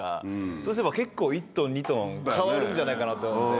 そうすれば結構１ｔ２ｔ変わるんじゃないかなと思って。